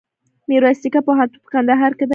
میرویس نیکه پوهنتون په کندهار کي دی.